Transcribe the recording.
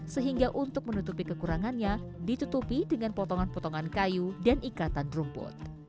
sehingga untuk menutupi kekurangannya ditutupi dengan potongan potongan kayu dan ikatan rumput